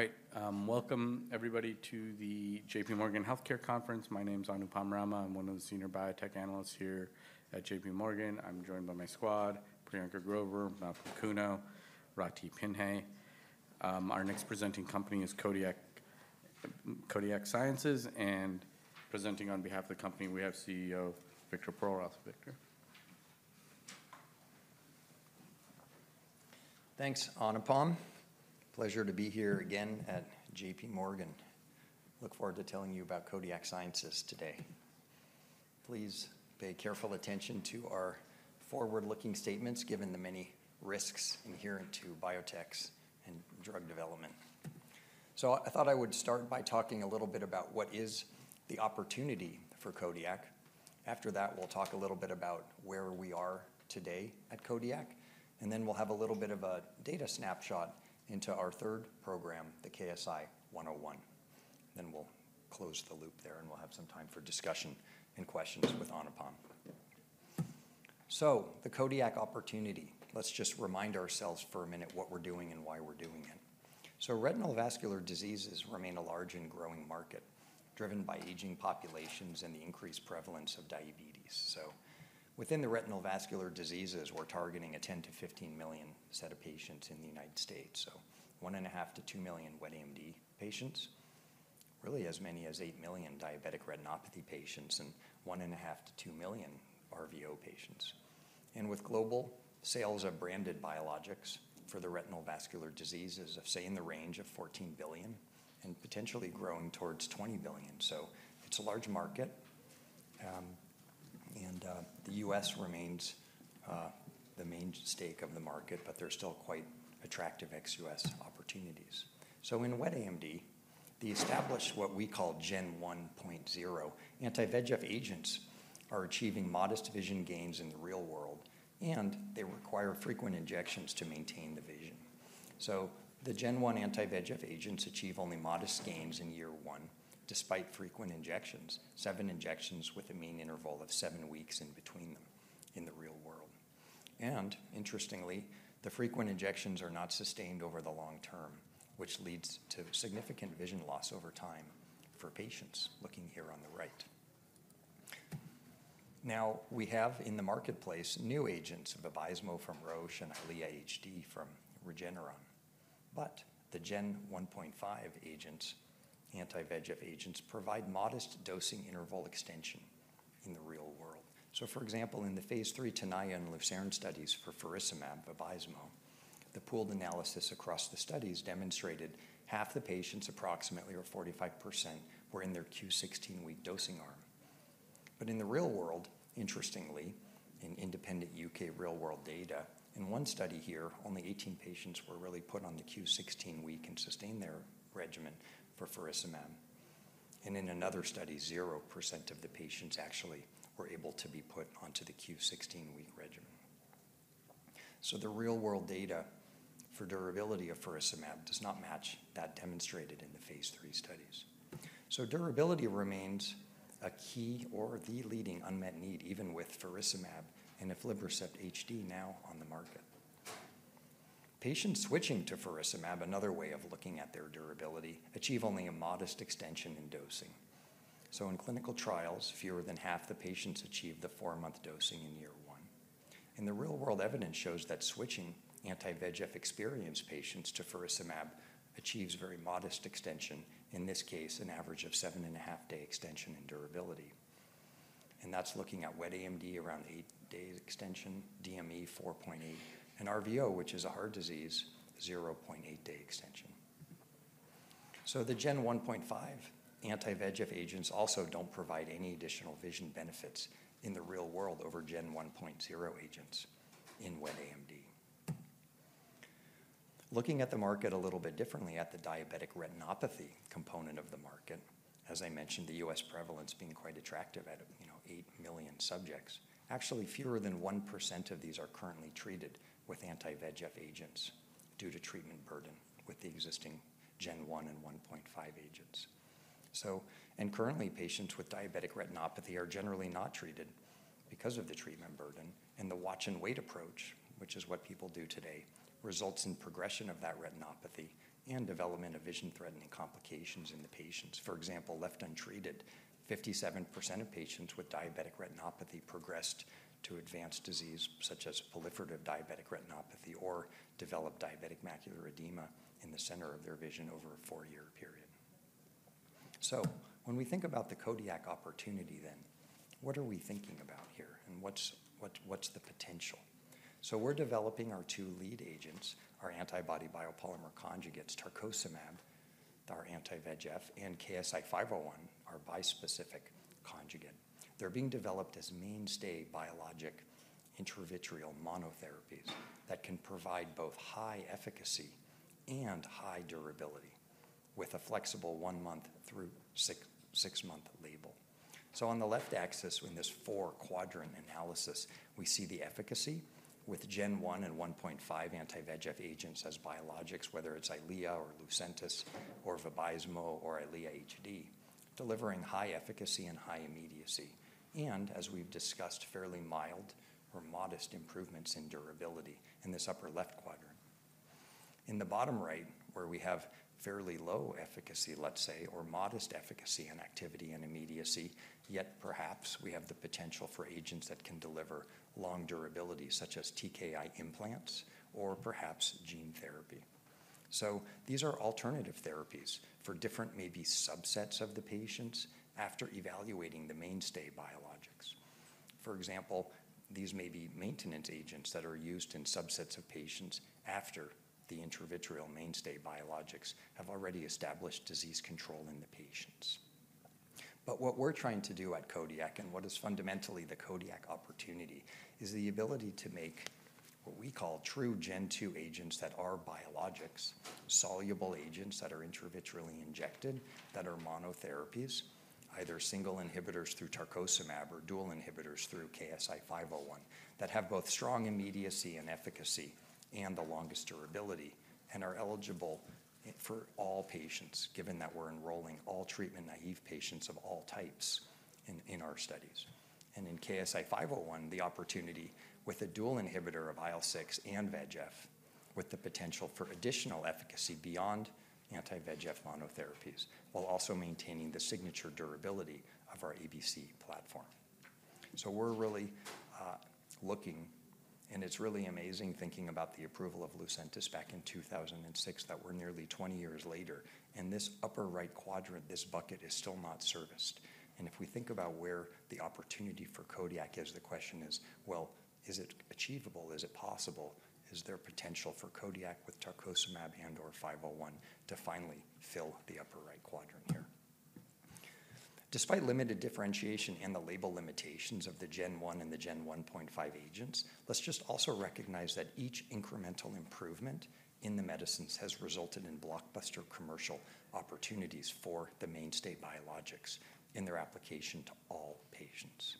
All right, welcome everybody to the JPMorgan Healthcare Conference. My name is Anupam Rama. I'm one of the senior biotech analysts here at JPMorgan. I'm joined by my squad, Priyanka Grover, Madhav Kukreja, and Ritika Pai. Our next presenting company is Kodiak Sciences, and presenting on behalf of the company, we have CEO Victor Perlroth. Victor. Thanks, Anupam. Pleasure to be here again at JPMorgan. Look forward to telling you about Kodiak Sciences today. Please pay careful attention to our forward-looking statements given the many risks inherent to biotechs and drug development. So I thought I would start by talking a little bit about what is the opportunity for Kodiak. After that, we'll talk a little bit about where we are today at Kodiak, and then we'll have a little bit of a data snapshot into our third program, the KSI-101. Then we'll close the loop there, and we'll have some time for discussion and questions with Anupam. So the Kodiak opportunity, let's just remind ourselves for a minute what we're doing and why we're doing it. So retinal vascular diseases remain a large and growing market driven by aging populations and the increased prevalence of diabetes. Within the retinal vascular diseases, we're targeting a 10 million-15 million set of patients in the United States, so 1.5 million-2 million wet AMD patients, really as many as eight million diabetic retinopathy patients, and 1.5 million-2 million RVO patients. With global sales of branded biologics for the retinal vascular diseases, say in the range of $14 billion and potentially growing towards $20 billion. It's a large market, and the U.S. remains the mainstay of the market, but there's still quite attractive ex-U.S. opportunities. In wet AMD, the established what we call Gen 1.0 anti-VEGF agents are achieving modest vision gains in the real world, and they require frequent injections to maintain the vision. The Gen 1.0 anti-VEGF agents achieve only modest gains in year one despite frequent injections, seven injections with a mean interval of seven weeks in between them in the real world. And interestingly, the frequent injections are not sustained over the long term, which leads to significant vision loss over time for patients looking here on the right. Now we have in the marketplace new agents of Vabysmo from Roche and Eylea HD from Regeneron, but the Gen 1.5 agents, anti-VEGF agents, provide modest dosing interval extension in the real world. So for example, in the phase III Tenaya and Lucerne studies for faricimab, Vabysmo, the pooled analysis across the studies demonstrated half the patients, approximately 45%, were in their Q16 week dosing arm. But in the real world, interestingly, in independent U.K. real world data, in one study here, only 18 patients were really put on the Q16-week and sustained their regimen for faricimab. And in another study, 0% of the patients actually were able to be put onto the Q16-week regimen. So the real world data for durability of faricimab does not match that demonstrated in the phase three studies. So durability remains a key or the leading unmet need even with faricimab and aflibercept HD now on the market. Patients switching to faricimab, another way of looking at their durability, achieve only a modest extension in dosing. So in clinical trials, fewer than half the patients achieve the four-month dosing in year one. The real-world evidence shows that switching anti-VEGF experienced patients to faricimab achieves very modest extension, in this case an average of seven-and-a-half-day extension in durability. That's looking at wet AMD around eight-day extension, DME 4.8, and RVO, which is a hard disease, 0.8-day extension. The Gen 1.5 anti-VEGF agents also don't provide any additional vision benefits in the real world over Gen 1.0 agents in wet AMD. Looking at the market a little bit differently at the diabetic retinopathy component of the market, as I mentioned, the U.S. prevalence being quite attractive at eight million subjects, actually fewer than 1% of these are currently treated with anti-VEGF agents due to treatment burden with the existing Gen 1 and 1.5 agents. Currently patients with diabetic retinopathy are generally not treated because of the treatment burden, and the watch and wait approach, which is what people do today, results in progression of that retinopathy and development of vision-threatening complications in the patients. For example, left untreated, 57% of patients with diabetic retinopathy progressed to advanced disease such as proliferative diabetic retinopathy or developed diabetic macular edema in the center of their vision over a four-year period. When we think about the Kodiak opportunity then, what are we thinking about here and what's the potential? We're developing our two lead agents, our antibody biopolymer conjugates, tarcocimab, our anti-VEGF, and KSI-501, our bispecific conjugate. They're being developed as mainstay biologic intravitreal monotherapies that can provide both high efficacy and high durability with a flexible one month through six month label. So on the left axis in this four quadrant analysis, we see the efficacy with Gen 1 and 1.5 anti-VEGF agents as biologics, whether it's Eylea or Lucentis or Vabysmo or Eylea HD, delivering high efficacy and high immediacy. And as we've discussed, fairly mild or modest improvements in durability in this upper left quadrant. In the bottom right, where we have fairly low efficacy, let's say, or modest efficacy and activity and immediacy, yet perhaps we have the potential for agents that can deliver long durability such as TKI implants or perhaps gene therapy. So these are alternative therapies for different maybe subsets of the patients after evaluating the mainstay biologics. For example, these may be maintenance agents that are used in subsets of patients after the intravitreal mainstay biologics have already established disease control in the patients. But what we're trying to do at Kodiak and what is fundamentally the Kodiak opportunity is the ability to make what we call true Gen 2 agents that are biologics, soluble agents that are intravitreally injected that are monotherapies, either single inhibitors through tarcocimab or dual inhibitors through KSI-501 that have both strong immediacy and efficacy and the longest durability and are eligible for all patients given that we're enrolling all treatment-naive patients of all types in our studies, and in KSI-501, the opportunity with a dual inhibitor of IL-6 and VEGF with the potential for additional efficacy beyond anti-VEGF monotherapies while also maintaining the signature durability of our ABC platform, so we're really looking, and it's really amazing thinking about the approval of Lucentis back in 2006 that we're nearly 20 years later, and this upper right quadrant, this bucket is still not serviced. If we think about where the opportunity for Kodiak is, the question is, well, is it achievable? Is it possible? Is there potential for Kodiak with tarcocimab and/or 501 to finally fill the upper right quadrant here? Despite limited differentiation and the label limitations of the Gen 1 and the Gen 1.5 agents, let's just also recognize that each incremental improvement in the medicines has resulted in blockbuster commercial opportunities for the mainstay biologics in their application to all patients.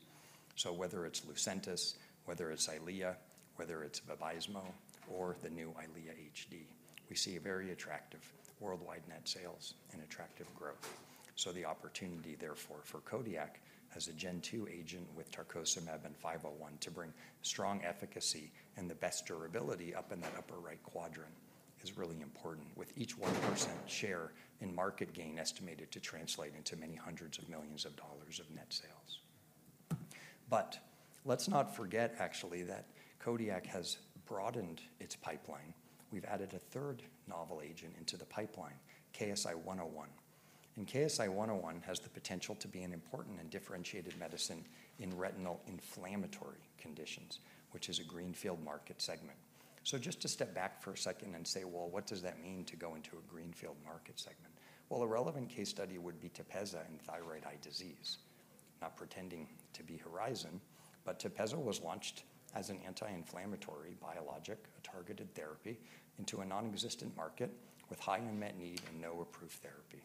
So whether it's Lucentis, whether it's Eylea, whether it's Vabysmo, or the new Eylea HD, we see very attractive worldwide net sales and attractive growth. So the opportunity therefore for Kodiak as a Gen 2 agent with tarcocimab and 501 to bring strong efficacy and the best durability up in that upper right quadrant is really important with each 1% share in market gain estimated to translate into many hundreds of millions of dollars of net sales. But let's not forget actually that Kodiak has broadened its pipeline. We've added a third novel agent into the pipeline, KSI-101. And KSI-101 has the potential to be an important and differentiated medicine in retinal inflammatory conditions, which is a greenfield market segment. So just to step back for a second and say, well, what does that mean to go into a greenfield market segment? Well, a relevant case study would be Tepezza in thyroid eye disease. Not pretending to be Horizon, but Tepezza was launched as an anti-inflammatory biologic, a targeted therapy into a non-existent market with high unmet need and no approved therapy.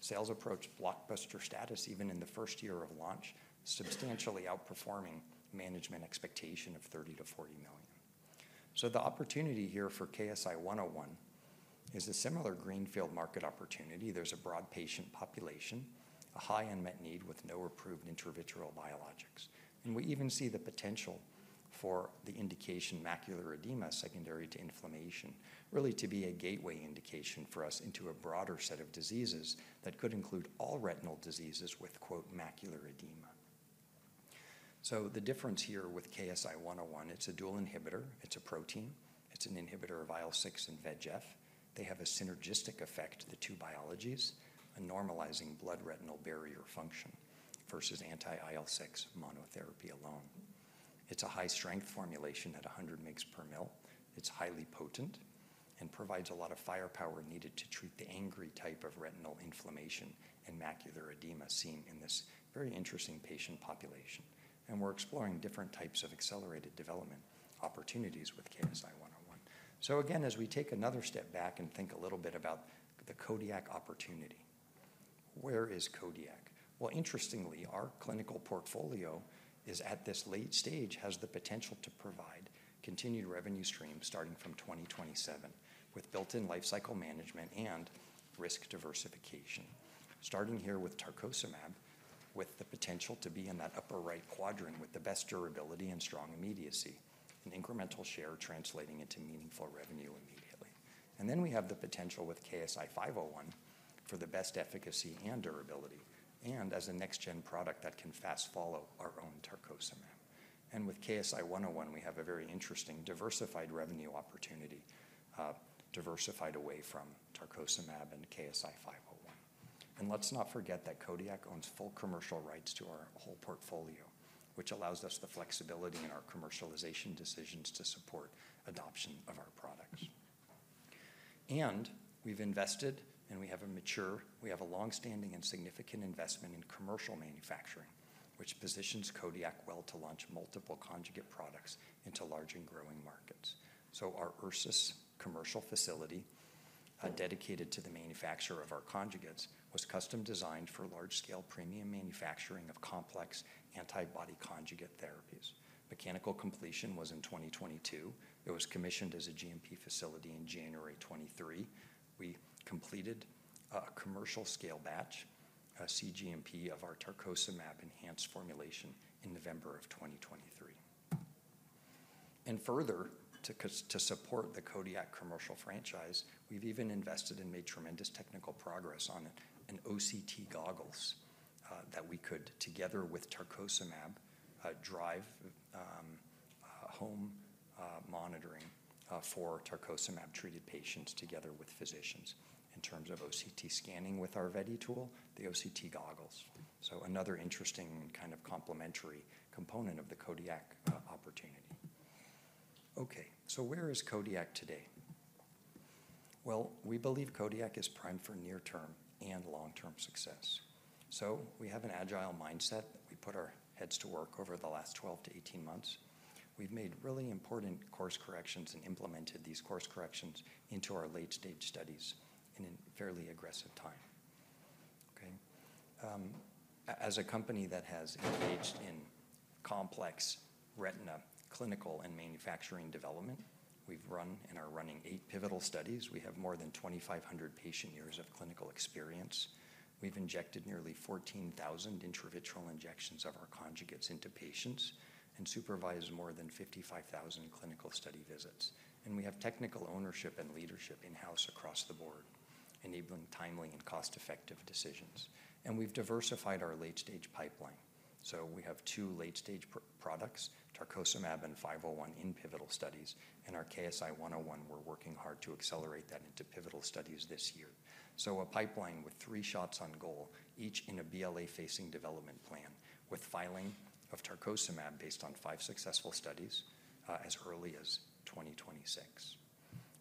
Sales approach blockbuster status even in the first year of launch, substantially outperforming management expectation of $30 million-$40 million. So the opportunity here for KSI-101 is a similar greenfield market opportunity. There's a broad patient population, a high unmet need with no approved intravitreal biologics. And we even see the potential for the indication macular edema secondary to inflammation really to be a gateway indication for us into a broader set of diseases that could include all retinal diseases with "macular edema." So the difference here with KSI-101, it's a dual inhibitor, it's a protein, it's an inhibitor of IL-6 and VEGF. They have a synergistic effect, the two biologics, a normalizing blood-retinal barrier function versus anti-IL-6 monotherapy alone. It's a high-strength formulation at 100 mg/mL. It's highly potent and provides a lot of firepower needed to treat the angry type of retinal inflammation and macular edema seen in this very interesting patient population. And we're exploring different types of accelerated development opportunities with KSI-101. So again, as we take another step back and think a little bit about the Kodiak opportunity, where is Kodiak? Well, interestingly, our clinical portfolio is at this late stage, has the potential to provide continued revenue stream starting from 2027 with built-in lifecycle management and risk diversification. Starting here with tarcocimab with the potential to be in that upper right quadrant with the best durability and strong immediacy and incremental share translating into meaningful revenue immediately. And then we have the potential with KSI-501 for the best efficacy and durability and as a next-gen product that can fast follow our own tarcocimab. And with KSI-101, we have a very interesting diversified revenue opportunity, diversified away from tarcocimab and KSI-501. And let's not forget that Kodiak owns full commercial rights to our whole portfolio, which allows us the flexibility in our commercialization decisions to support adoption of our products. And we've invested and we have a mature, we have a longstanding and significant investment in commercial manufacturing, which positions Kodiak well to launch multiple conjugate products into large and growing markets. So our Ursus commercial facility dedicated to the manufacture of our conjugates was custom designed for large-scale premium manufacturing of complex antibody conjugate therapies. Mechanical completion was in 2022. It was commissioned as a GMP facility in January 2023. We completed a commercial scale batch, a cGMP of our tarcocimab enhanced formulation in November of 2023. And further to support the Kodiak commercial franchise, we've even invested and made tremendous technical progress on an OCT goggles that we could together with tarcocimab drive home monitoring for tarcocimab treated patients together with physicians in terms of OCT scanning with our VERDI tool, the OCT goggles. So another interesting kind of complementary component of the Kodiak opportunity. Okay, so where is Kodiak today? Well, we believe Kodiak is primed for near-term and long-term success. So we have an agile mindset that we put our heads to work over the last 12 to 18 months. We've made really important course corrections and implemented these course corrections into our late-stage studies in a fairly aggressive time. Okay. As a company that has engaged in complex retina clinical and manufacturing development, we've run and are running eight pivotal studies. We have more than 2,500 patient years of clinical experience. We've injected nearly 14,000 intravitreal injections of our conjugates into patients and supervised more than 55,000 clinical study visits. And we have technical ownership and leadership in-house across the board, enabling timely and cost-effective decisions. And we've diversified our late-stage pipeline. So we have two late-stage products, tarcocimab and KSI-501 in pivotal studies, and our KSI-101, we're working hard to accelerate that into pivotal studies this year. So a pipeline with three shots on goal, each in a BLA-facing development plan with filing of tarcocimab based on five successful studies as early as 2026.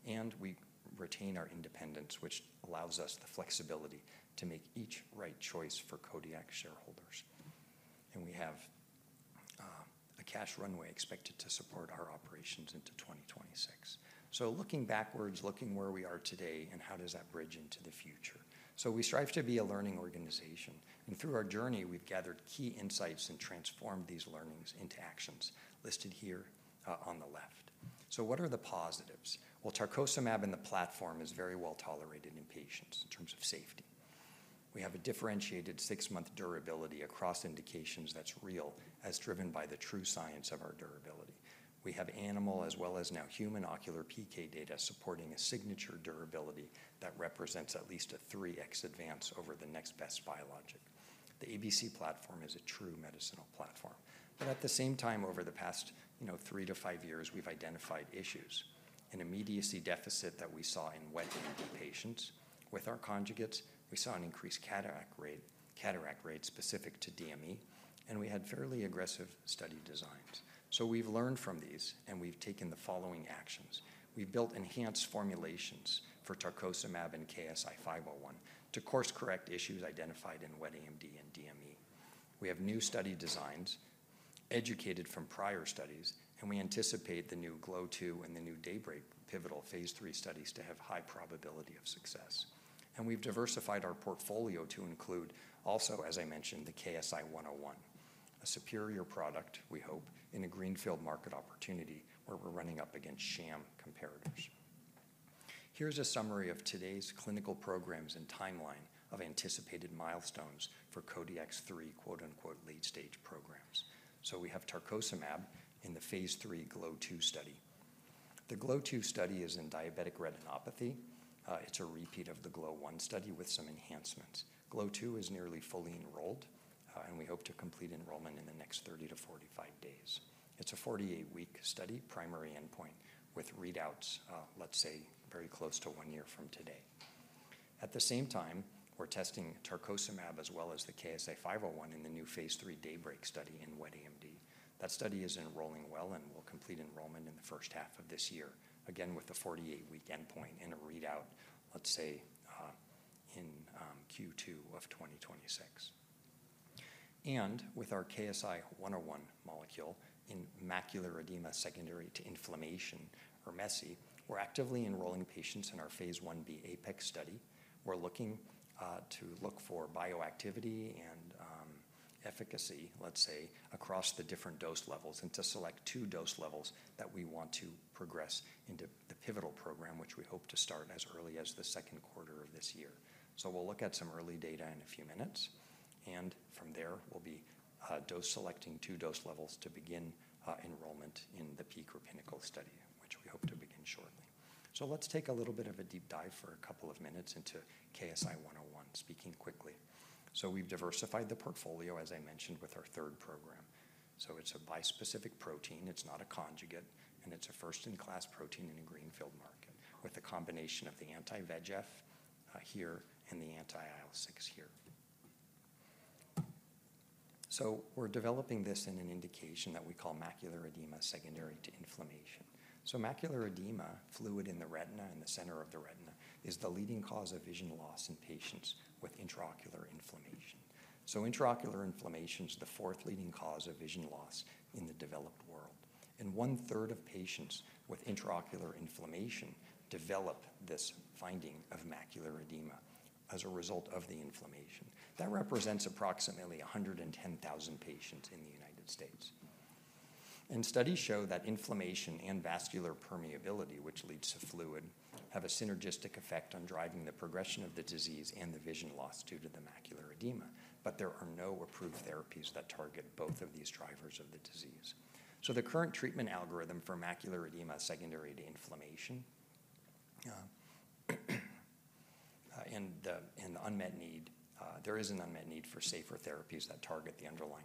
And we retain our independence, which allows us the flexibility to make each right choice for Kodiak shareholders. We have a cash runway expected to support our operations into 2026. Looking backwards, looking where we are today and how does that bridge into the future. We strive to be a learning organization. Through our journey, we've gathered key insights and transformed these learnings into actions listed here on the left. What are the positives? Well, tarcocimab and the platform is very well tolerated in patients in terms of safety. We have a differentiated six-month durability across indications that's real as driven by the true science of our durability. We have animal as well as now human ocular PK data supporting a signature durability that represents at least a 3x advance over the next best biologic. The ABC Platform is a true medicinal platform. At the same time, over the past three to five years, we've identified issues. An immediacy deficit that we saw in wet patients with our conjugates. We saw an increased cataract rate specific to DME, and we had fairly aggressive study designs. So we've learned from these and we've taken the following actions. We've built enhanced formulations for tarcocimab and KSI-501 to course correct issues identified in wet AMD and DME. We have new study designs educated from prior studies, and we anticipate the new GLOW2 and the new Daybreak pivotal phase III studies to have high probability of success, and we've diversified our portfolio to include also, as I mentioned, the KSI-101, a superior product, we hope, in a greenfield market opportunity where we're running up against sham comparators. Here's a summary of today's clinical programs and timeline of anticipated milestones for Kodiak's three "late-stage programs," so we have tarcocimab in the phase III GLOW2 study. The GLOW2 study is in diabetic retinopathy. It's a repeat of the GLOW1 study with some enhancements. GLOW2 is nearly fully enrolled, and we hope to complete enrollment in the next 30 to 45 days. It's a 48-week study, primary endpoint with readouts, let's say, very close to one year from today. At the same time, we're testing tarcocimab as well as the KSI-501 in the new phase III Daybreak study in wet AMD. That study is enrolling well and will complete enrollment in the first half of this year, again with a 48-week endpoint in a readout, let's say, in Q2 of 2026. And with our KSI-101 molecule in macular edema secondary to inflammation, MESI, we're actively enrolling patients in our phase Ib Apex study. We're looking to look for bioactivity and efficacy, let's say, across the different dose levels and to select two dose levels that we want to progress into the pivotal program, which we hope to start as early as the second quarter of this year, so we'll look at some early data in a few minutes, and from there, we'll be dose selecting two dose levels to begin enrollment in the Peak or Pinnacle study, which we hope to begin shortly, so let's take a little bit of a deep dive for a couple of minutes into KSI-101, speaking quickly, so we've diversified the portfolio, as I mentioned, with our third program. So it's a bispecific protein. It's not a conjugate, and it's a first-in-class protein in a greenfield market with a combination of the anti-VEGF here and the anti-IL-6 here. So we're developing this in an indication that we call macular edema secondary to inflammation. So macular edema, fluid in the retina and the center of the retina, is the leading cause of vision loss in patients with intraocular inflammation. So intraocular inflammation is the fourth leading cause of vision loss in the developed world. And one-third of patients with intraocular inflammation develop this finding of macular edema as a result of the inflammation. That represents approximately 110,000 patients in the United States. And studies show that inflammation and vascular permeability, which leads to fluid, have a synergistic effect on driving the progression of the disease and the vision loss due to the macular edema. But there are no approved therapies that target both of these drivers of the disease. The current treatment algorithm for macular edema secondary to inflammation and the unmet need. There is an unmet need for safer therapies that target the underlying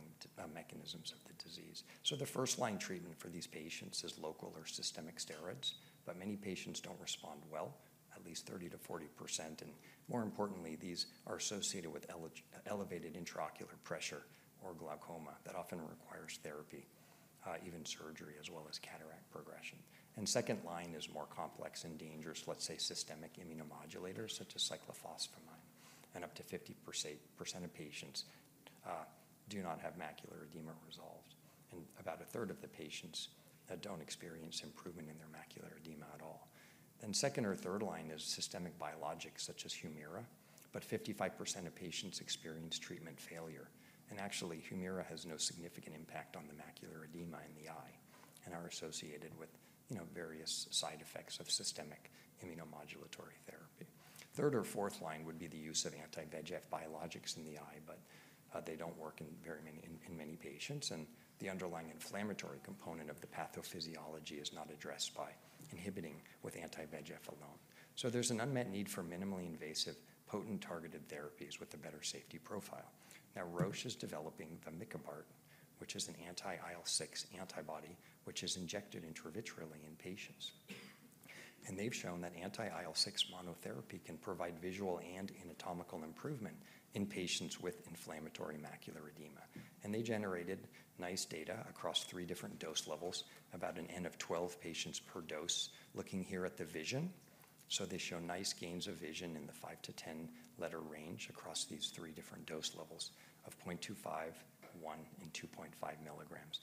mechanisms of the disease. The first-line treatment for these patients is local or systemic steroids, but many patients don't respond well, at least 30%-40%. More importantly, these are associated with elevated intraocular pressure or glaucoma that often requires therapy, even surgery, as well as cataract progression. Second line is more complex and dangerous, let's say, systemic immunomodulators such as cyclophosphamide. Up to 50% of patients do not have macular edema resolved. About a third of the patients don't experience improvement in their macular edema at all. Second or third line is systemic biologics such as Humira, but 55% of patients experience treatment failure. And actually, Humira has no significant impact on the macular edema in the eye and are associated with various side effects of systemic immunomodulatory therapy. Third or fourth line would be the use of anti-VEGF biologics in the eye, but they don't work in very many patients. And the underlying inflammatory component of the pathophysiology is not addressed by inhibiting with anti-VEGF alone. So there's an unmet need for minimally invasive, potent targeted therapies with a better safety profile. Now, Roche is developing the vamikibart, which is an anti-IL-6 antibody, which is injected intravitreally in patients. And they've shown that anti-IL-6 monotherapy can provide visual and anatomical improvement in patients with inflammatory macular edema. And they generated nice data across three different dose levels, about an N of 12 patients per dose, looking here at the vision. They show nice gains of vision in the five-to-10-letter range across these three different dose levels of 0.25, 1, and 2.5 milligrams.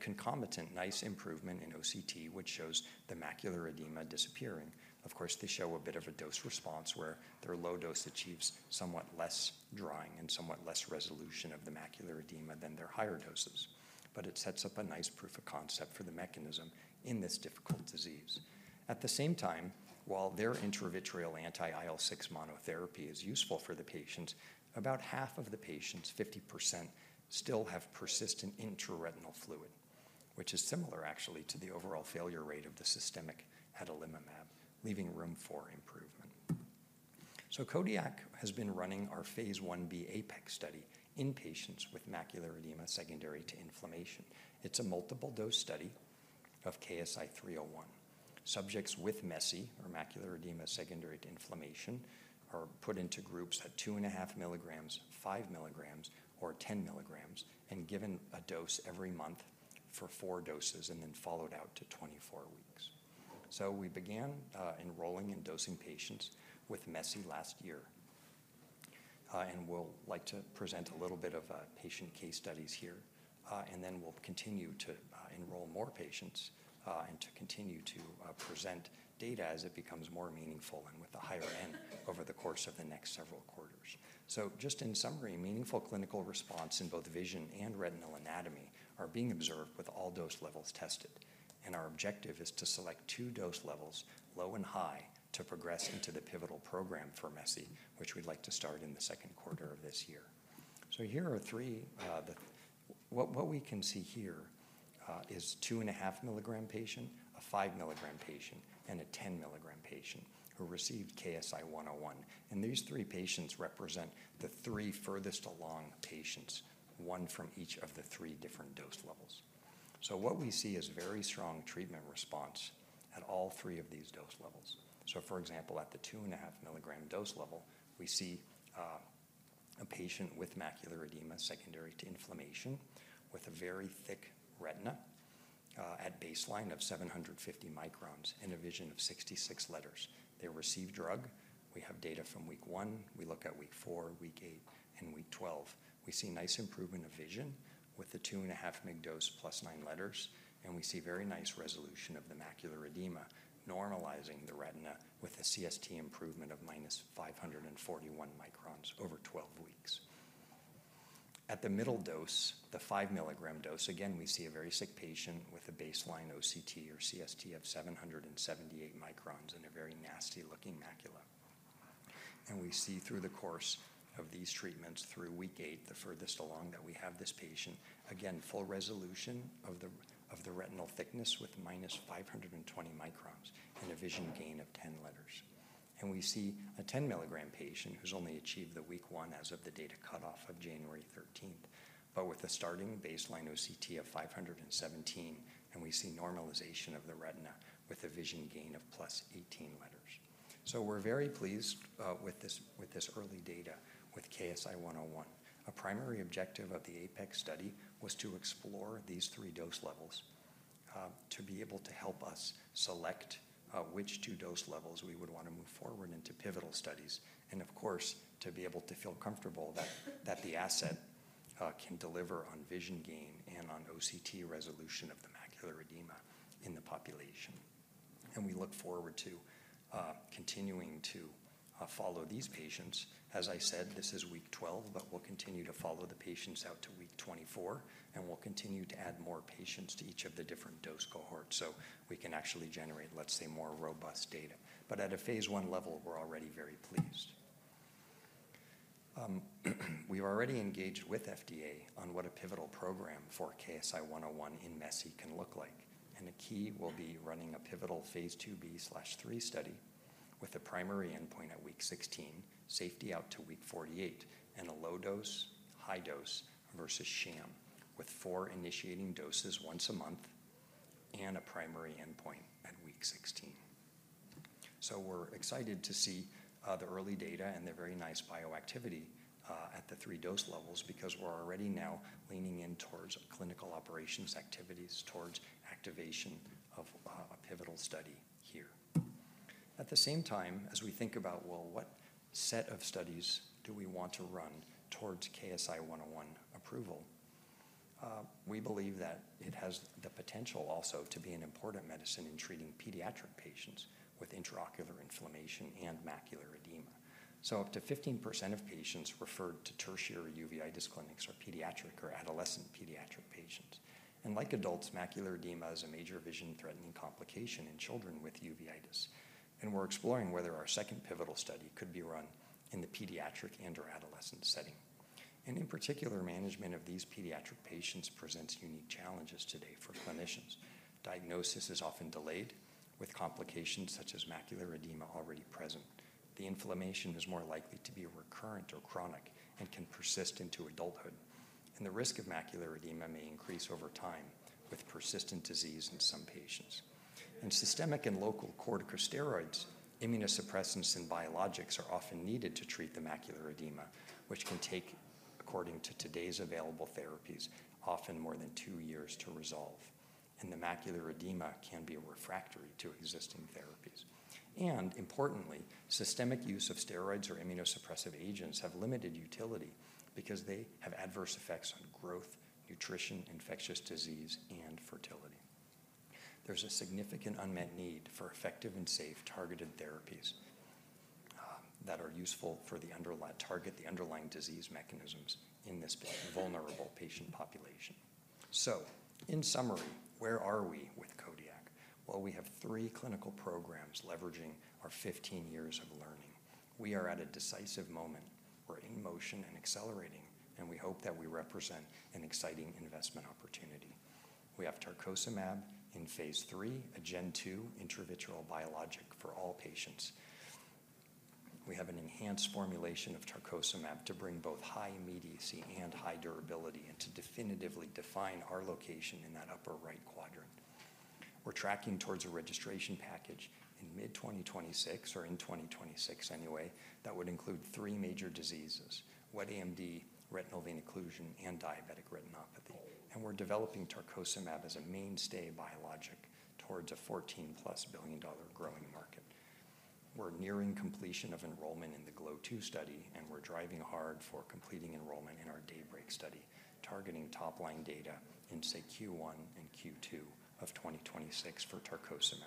Concomitant nice improvement in OCT shows the macular edema disappearing. Of course, they show a bit of a dose response where their low dose achieves somewhat less drying and somewhat less resolution of the macular edema than their higher doses. It sets up a nice proof of concept for the mechanism in this difficult disease. At the same time, while their intravitreal anti-IL-6 monotherapy is useful for the patients, about half of the patients, 50%, still have persistent intraretinal fluid, which is similar actually to the overall failure rate of the systemic adalimumab, leaving room for improvement. Kodiak has been running our phase Ib Apex study in patients with macular edema secondary to inflammation. It's a multiple dose study of KSI-101. Subjects with MESI or macular edema secondary to inflammation are put into groups at 2.5 milligrams, 5 milligrams, or 10 milligrams, and given a dose every month for four doses and then followed out to 24 weeks. We began enrolling and dosing patients with MESI last year. We'd like to present a little bit of patient case studies here. Then we'll continue to enroll more patients and to continue to present data as it becomes more meaningful and with a higher end over the course of the next several quarters. Just in summary, meaningful clinical response in both vision and retinal anatomy are being observed with all dose levels tested. Our objective is to select two dose levels, low and high, to progress into the pivotal program for MESI, which we'd like to start in the second quarter of this year. Here are three. What we can see here is a 2.5 mg patient, a 5 mg patient, and a 10 mg patient who received KSI-101. These three patients represent the three furthest along patients, one from each of the three different dose levels. What we see is very strong treatment response at all three of these dose levels. For example, at the 2.5 mg dose level, we see a patient with macular edema secondary to inflammation with a very thick retina at baseline of 750 microns and a vision of 66 letters. They receive drug. We have data from week one. We look at week four, week eight, and week 12. We see nice improvement of vision with the 2.5 mg dose plus nine letters. And we see very nice resolution of the macular edema, normalizing the retina with a CST improvement of minus 541 microns over 12 weeks. At the middle dose, the five milligram dose, again, we see a very sick patient with a baseline OCT or CST of 778 microns and a very nasty looking macula. And we see through the course of these treatments, through week eight, the furthest along that we have this patient, again, full resolution of the retinal thickness with minus 520 microns and a vision gain of 10 letters. And we see a 10 milligram patient who's only achieved the week one as of the data cutoff of January 13th, but with a starting baseline OCT of 517, and we see normalization of the retina with a vision gain of plus 18 letters. We're very pleased with this early data with KSI-101. A primary objective of the Apex study was to explore these three dose levels to be able to help us select which two dose levels we would want to move forward into pivotal studies, and of course, to be able to feel comfortable that the asset can deliver on vision gain and on OCT resolution of the macular edema in the population, and we look forward to continuing to follow these patients. As I said, this is week 12, but we'll continue to follow the patients out to week 24, and we'll continue to add more patients to each of the different dose cohorts so we can actually generate, let's say, more robust data, but at a phase one level, we're already very pleased. We've already engaged with FDA on what a pivotal program for KSI-101 in MESI can look like. And a key will be running a pivotal phase IIb/III study with a primary endpoint at week 16, safety out to week 48, and a low dose, high dose versus sham with four initiating doses once a month and a primary endpoint at week 16. So we're excited to see the early data and the very nice bioactivity at the three dose levels because we're already now leaning in towards clinical operations activities towards activation of a pivotal study here. At the same time, as we think about, well, what set of studies do we want to run towards KSI-101 approval, we believe that it has the potential also to be an important medicine in treating pediatric patients with intraocular inflammation and macular edema. Up to 15% of patients referred to tertiary uveitis clinics are pediatric or adolescent pediatric patients. Like adults, macular edema is a major vision-threatening complication in children with uveitis. We're exploring whether our second pivotal study could be run in the pediatric and/or adolescent setting. In particular, management of these pediatric patients presents unique challenges today for clinicians. Diagnosis is often delayed with complications such as macular edema already present. The inflammation is more likely to be recurrent or chronic and can persist into adulthood. The risk of macular edema may increase over time with persistent disease in some patients. Systemic and local corticosteroids, immunosuppressants, and biologics are often needed to treat the macular edema, which can take, according to today's available therapies, often more than two years to resolve. The macular edema can be refractory to existing therapies. Importantly, systemic use of steroids or immunosuppressive agents have limited utility because they have adverse effects on growth, nutrition, infectious disease, and fertility. There's a significant unmet need for effective and safe targeted therapies that are useful for the underlying disease mechanisms in this vulnerable patient population. In summary, where are we with Kodiak? We have three clinical programs leveraging our 15 years of learning. We are at a decisive moment. We're in motion and accelerating, and we hope that we represent an exciting investment opportunity. We have tarcocimab in phase III, a Gen II intravitreal biologic for all patients. We have an enhanced formulation of tarcocimab to bring both high immediacy and high durability and to definitively define our location in that upper right quadrant. We're tracking towards a registration package in mid-2026 or in 2026 anyway that would include three major diseases: wet AMD, retinal vein occlusion, and diabetic retinopathy. We're developing tarcocimab as a mainstay biologic towards a $14-plus billion growing market. We're nearing completion of enrollment in the GLOW2 study, and we're driving hard for completing enrollment in our Daybreak study, targeting top-line data in, say, Q1 and Q2 of 2026 for tarcocimab.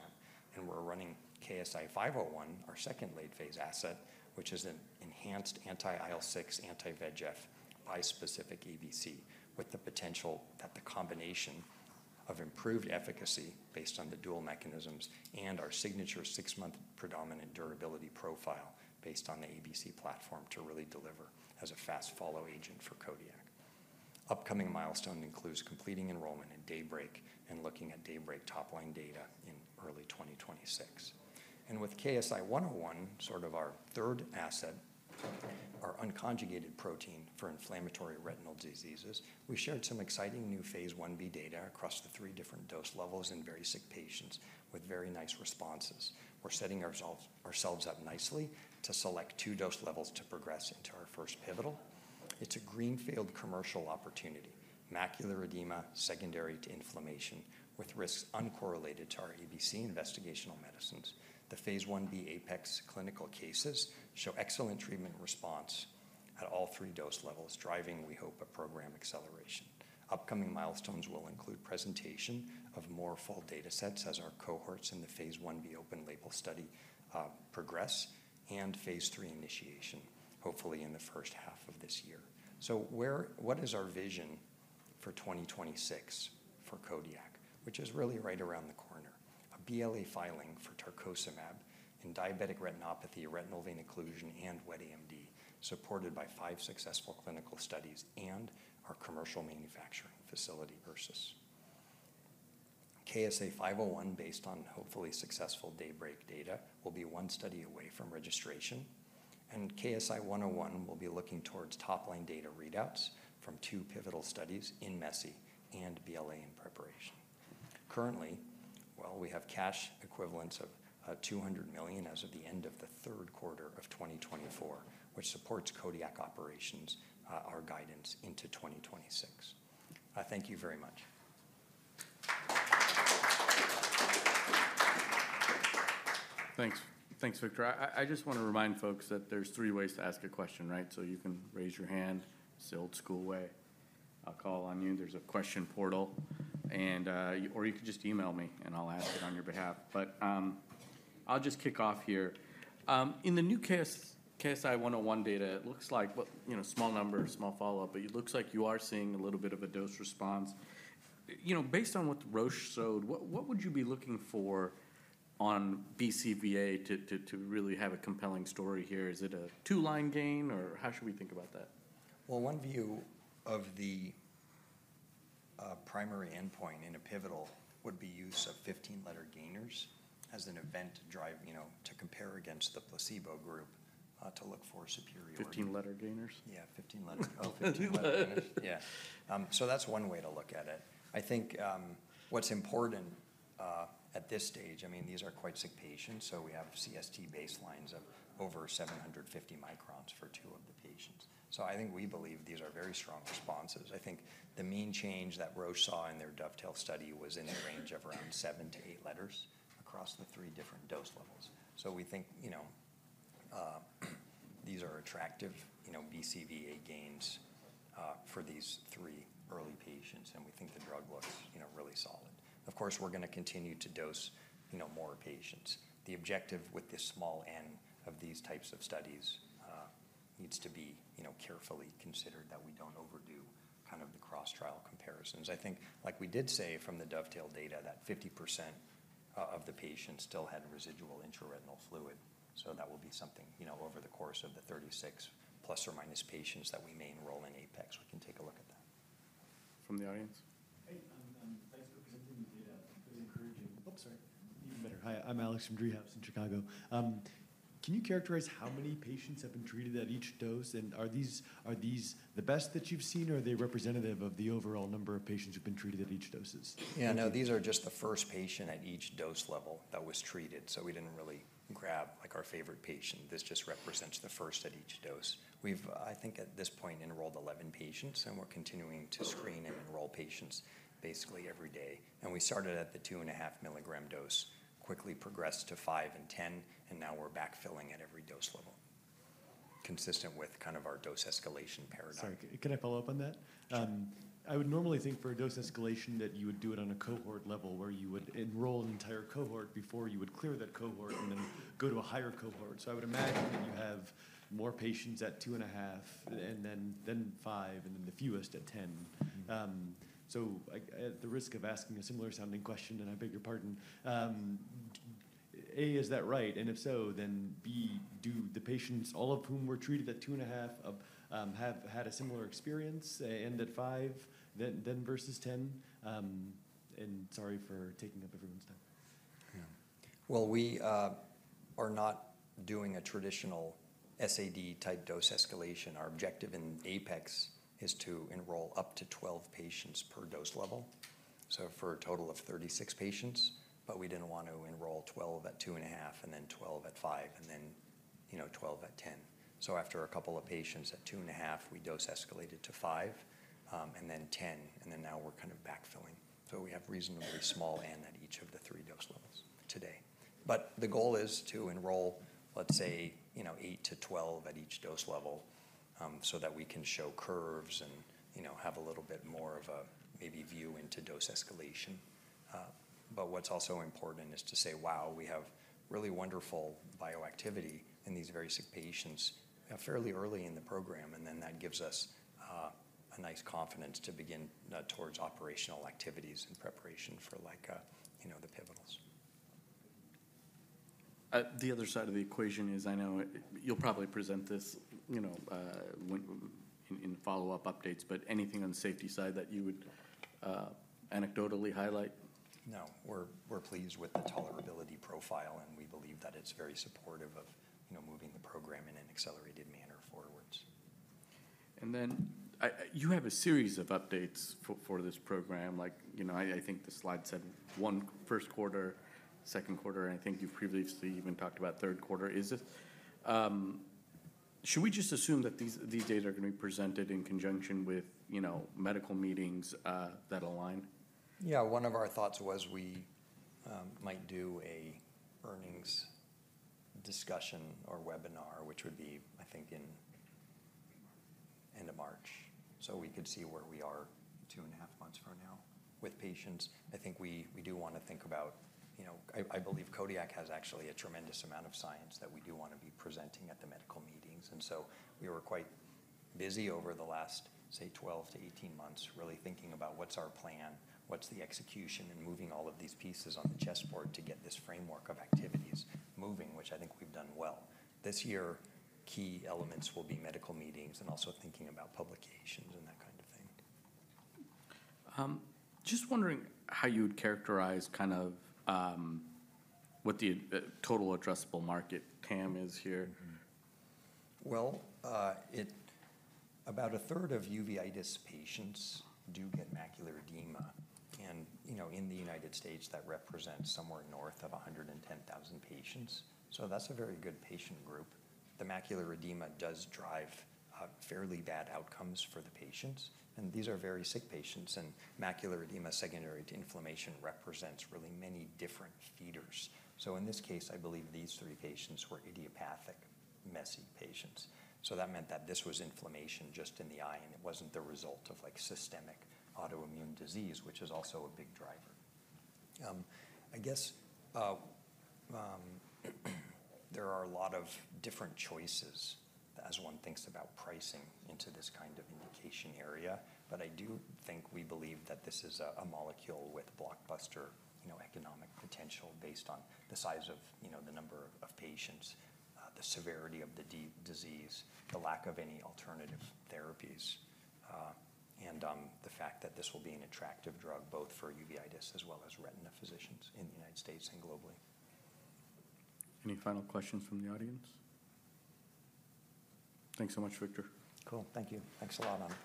We're running KSI-501, our second late-phase asset, which is an enhanced anti-IL-6, anti-VEGF, bispecific ABC with the potential that the combination of improved efficacy based on the dual mechanisms and our signature six-month predominant durability profile based on the ABC platform to really deliver as a fast-follow agent for Kodiak. Upcoming milestone includes completing enrollment in Daybreak and looking at Daybreak top-line data in early 2026. With KSI-101, sort of our third asset, our unconjugated protein for inflammatory retinal diseases, we shared some exciting new phase Ib data across the three different dose levels in very sick patients with very nice responses. We're setting ourselves up nicely to select two dose levels to progress into our first pivotal. It's a greenfield commercial opportunity: macular edema secondary to inflammation with risks uncorrelated to our ABC investigational medicines. The phase Ib Apex clinical cases show excellent treatment response at all three dose levels, driving, we hope, a program acceleration. Upcoming milestones will include presentation of more full data sets as our cohorts in the phase Ib open label study progress and phase III initiation, hopefully in the first half of this year. What is our vision for 2026 for Kodiak, which is really right around the corner? A BLA filing for tarcocimab in diabetic retinopathy, retinal vein occlusion, and wet AMD, supported by five successful clinical studies and our commercial manufacturing facility versus KSI-501, based on hopefully successful Daybreak data, will be one study away from registration. KSI-101 will be looking towards top-line data readouts from two pivotal studies in MESI and BLA in preparation. Currently, well, we have cash equivalents of $200 million as of the end of the third quarter of 2024, which supports Kodiak operations, our guidance into 2026. Thank you very much. Thanks. Thanks, Victor. I just want to remind folks that there are three ways to ask a question, right? So you can raise your hand, old school way. I'll call on you. There's a question portal. Or you could just email me, and I'll ask it on your behalf. But I'll just kick off here. In the new KSI-101 data, it looks like a small number, small follow-up, but it looks like you are seeing a little bit of a dose response. Based on what Roche showed, what would you be looking for on BCVA to really have a compelling story here? Is it a two-line gain, or how should we think about that? One view of the primary endpoint in a pivotal would be use of 15-letter gainers as an event to compare against the placebo group to look for superiority. 15-letter gainers? Yeah, 15-letter. Oh, 15-letter gainers. Yeah. So that's one way to look at it. I think what's important at this stage, I mean, these are quite sick patients, so we have CST baselines of over 750 microns for two of the patients. So I think we believe these are very strong responses. I think the mean change that Roche saw in their Dovetail study was in the range of around seven to eight letters across the three different dose levels. So we think these are attractive BCVA gains for these three early patients, and we think the drug looks really solid. Of course, we're going to continue to dose more patients. The objective with this small N of these types of studies needs to be carefully considered that we don't overdo kind of the cross-trial comparisons. I think, like we did say from the Dovetail data, that 50% of the patients still had residual intraretinal fluid. So that will be something over the course of the 36 plus or minus patients that we may enroll in Apex. We can take a look at that. From the audience? Hey, thanks for presenting the data. It's very encouraging. Oh, sorry. Even better. Hi, I'm Alex from Driehaus in Chicago. Can you characterize how many patients have been treated at each dose? And are these the best that you've seen, or are they representative of the overall number of patients who've been treated at each doses? Yeah, no, these are just the first patient at each dose level that was treated. So we didn't really grab our favorite patient. This just represents the first at each dose. We've, I think at this point, enrolled 11 patients, and we're continuing to screen and enroll patients basically every day. And we started at the 2.5 milligram dose, quickly progressed to five and 10, and now we're backfilling at every dose level, consistent with kind of our dose escalation paradigm. Sorry, can I follow up on that? I would normally think for a dose escalation that you would do it on a cohort level where you would enroll an entire cohort before you would clear that cohort and then go to a higher cohort. So I would imagine that you have more patients at 2.5 and then 5 and then the fewest at 10. So at the risk of asking a similar-sounding question, and I beg your pardon, A, is that right? And if so, then B, do the patients all of whom were treated at 2.5 have had a similar experience and at 5 versus 10? And sorry for taking up everyone's time. Yeah. Well, we are not doing a traditional SAD-type dose escalation. Our objective in Apex is to enroll up to 12 patients per dose level, so for a total of 36 patients. But we didn't want to enroll 12 at 2.5 and then 12 at 5 and then 12 at 10. So after a couple of patients at 2.5, we dose escalated to 5 and then 10, and then now we're kind of backfilling. So we have reasonably small N at each of the three dose levels today. But the goal is to enroll, let's say, 8 to 12 at each dose level so that we can show curves and have a little bit more of a maybe view into dose escalation. What's also important is to say, wow, we have really wonderful bioactivity in these very sick patients fairly early in the program, and then that gives us a nice confidence to begin towards operational activities in preparation for the pivotals. The other side of the equation is I know you'll probably present this in follow-up updates, but anything on the safety side that you would anecdotally highlight? No, we're pleased with the tolerability profile, and we believe that it's very supportive of moving the program in an accelerated manner forwards. And then you have a series of updates for this program. I think the slide said one first quarter, second quarter, and I think you previously even talked about third quarter. Should we just assume that these data are going to be presented in conjunction with medical meetings that align? Yeah, one of our thoughts was we might do an earnings discussion or webinar, which would be, I think, in the end of March. So we could see where we are two and a half months from now with patients. I think we do want to think about. I believe Kodiak has actually a tremendous amount of science that we do want to be presenting at the medical meetings. And so we were quite busy over the last, say, 12 to 18 months really thinking about what's our plan, what's the execution, and moving all of these pieces on the chessboard to get this framework of activities moving, which I think we've done well. This year, key elements will be medical meetings and also thinking about publications and that kind of thing. Just wondering how you would characterize kind of what the total addressable market TAM is here? About a third of uveitis patients do get macular edema. In the United States, that represents somewhere north of 110,000 patients. That's a very good patient group. The macular edema does drive fairly bad outcomes for the patients. These are very sick patients. Macular edema secondary to inflammation represents really many different feeders. In this case, I believe these three patients were idiopathic MESI patients. That meant that this was inflammation just in the eye, and it wasn't the result of systemic autoimmune disease, which is also a big driver. I guess there are a lot of different choices as one thinks about pricing into this kind of indication area. But I do think we believe that this is a molecule with blockbuster economic potential based on the size of the number of patients, the severity of the disease, the lack of any alternative therapies, and the fact that this will be an attractive drug both for uveitis as well as retina physicians in the United States and globally. Any final questions from the audience? Thanks so much, Victor. Cool. Thank you. Thanks a lot.